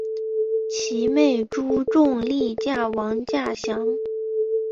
其妹朱仲丽嫁王稼祥。